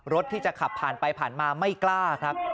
รถที่จะขับผ่านไปผ่านมาไม่กล้าครับ